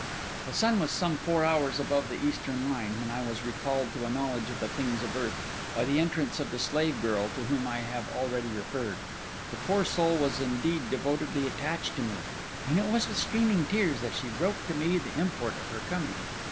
The sun was some four hours above the eastern line, when I was recalled to a knowledge of the things of earth, by the entrance of the slave girl to whom I have already referred. The poor soul was indeed devotedly attached to me; and it was with streaming tears that she broke to me the import of her coming.